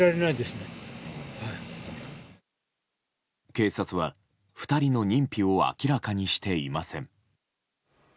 警察は、２人の認否を明らかにしていません。